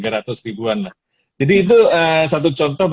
tiga ratus ribuan jadi itu satu contoh